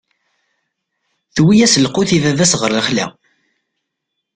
Tewwi-yas lqut i baba-s ɣer lexla.